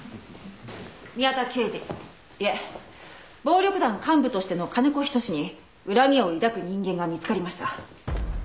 宮田刑事いえ暴力団幹部としての金子仁に恨みを抱く人間が見つかりました。